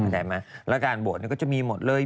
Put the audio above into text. แล้วการโพสกก็จะมีหมดเลย